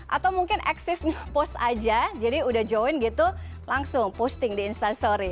atau mungkin eksis post aja jadi udah join gitu langsung posting di instastory